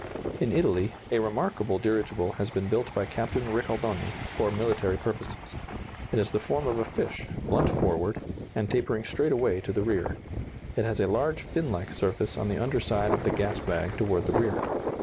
In Italy a remarkable dirigible has been built by Captain Ricaldoni, for military purposes. It has the form of a fish, blunt forward, and tapering straight away to the rear. It has a large finlike surface on the under side of the gas bag toward the rear.